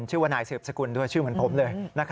ชื่อว่านายสืบสกุลด้วยชื่อเหมือนผมเลย